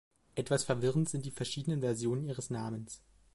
Etwas verwirrend sind die verschiedenen Versionen ihres Namens.